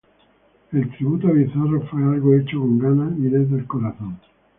El Tributo Bizarro fue algo hecho con ganas y desde el corazón".